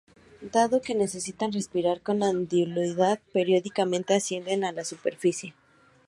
Dado que necesitan respirar con asiduidad, periódicamente ascienden a la superficie.